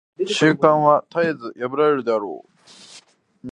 習慣は絶えず破られるであろう。